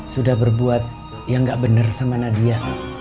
sudah berbuat yang gak bener sama nadia